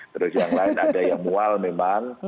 terus yang lain ada yang mual memang